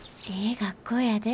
学校やで。